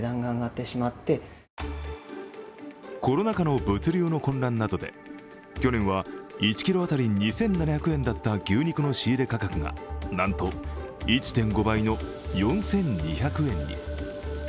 コロナ禍の物流の混乱などで去年は１ｋｇ当たり２７００円だった牛肉の仕入れ価格がなんと１．５倍の４２００円に。